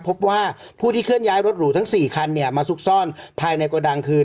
พบว่าผู้ที่เคลื่อนย้ายรถหรูทั้ง๔คันเนี่ยมาซุกซ่อนภายในกระดังคือ